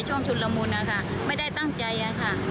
ช่วงชุดละมุนไม่ได้ตั้งใจค่ะ